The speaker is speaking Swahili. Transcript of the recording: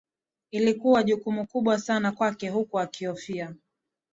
Ilikuwa jukumu kubwa sana kwake huku akihofia